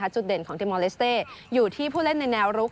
จุดเด่นของทีมมอลเลสเต้อยู่ที่ผู้เล่นในแนวรุก